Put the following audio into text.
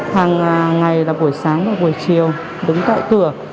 hàng ngày là buổi sáng và buổi chiều đứng tại cửa